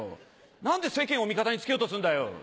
何で世間を味方につけようとすんだよ。